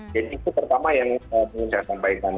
jadi itu pertama yang ingin saya sampaikan